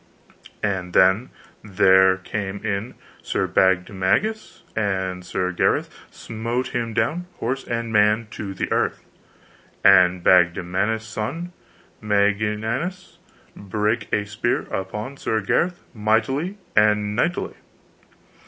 And then there came in Sir Bagdemagus, and Sir Gareth smote him down horse and man to the earth. And Bagdemagus's son Meliganus brake a spear upon Sir Gareth mightily and knightly.